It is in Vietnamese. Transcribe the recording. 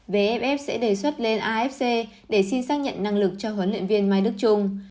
vff sẽ đề xuất lên afc để xin xác nhận năng lực cho huấn luyện viên mai đức trung